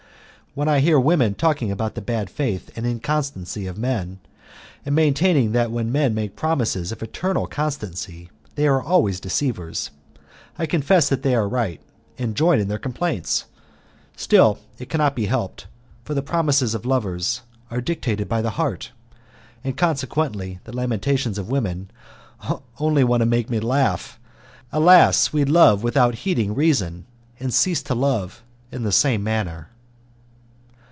When I hear women talking about the bad faith and inconstancy of men, and maintaining that when men make promises of eternal constancy they are always deceivers, I confess that they are right, and join in their complaints. Still it cannot be helped, for the promises of lovers are dictated by the heart, and consequently the lamentations of women only make me want to laugh. Alas! we love without heeding reason, and cease to love in the same manner.